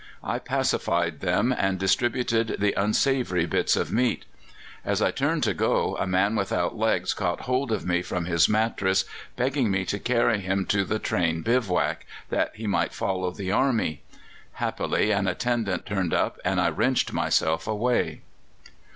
I pacified them, and distributed the unsavoury bits of meat. As I turned to go a man without legs caught hold of me from his mattress, begging me to carry him to the train bivouac, that he might follow the army. Happily an attendant turned up, and I wrenched myself away."